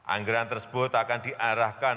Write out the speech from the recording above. anggaran tersebut akan diarahkan